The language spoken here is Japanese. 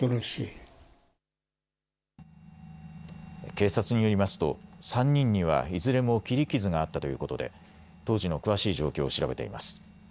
警察によりますと３人にはいずれも切り傷があったということで当時の詳しい状況を調べています。